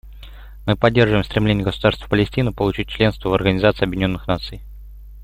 Мы поддерживаем стремление Государства Палестина получить членство в Организации Объединенных Наций.